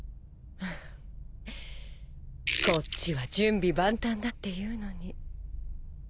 こっちは準備万端だっていうのに。